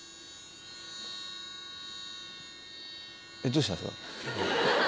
どうしたんですか？